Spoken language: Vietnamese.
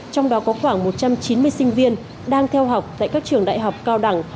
trong đó có khoảng một trăm chín mươi sinh viên đang theo học tại các trường đại học cao đẳng